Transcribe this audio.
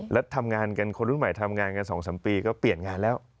แล้วทำงานกันคนรุ่นใหม่ทำงานกัน๒๓ปีก็เปลี่ยนงานแล้ว